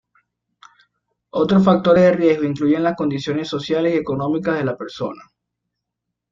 Otros factores de riesgo incluyen las condiciones sociales y económicas de la persona.